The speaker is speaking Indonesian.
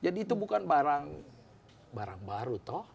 jadi itu bukan barang barang baru toh